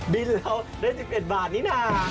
บิ๊ดเราได้๑๑บาทนี่หน่า